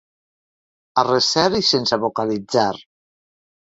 A recer i sense vocalitzar.